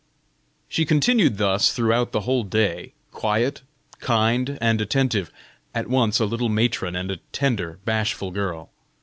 She continued thus throughout the whole day, quiet, kind, and attentive at once a little matron and a tender, bashful girl.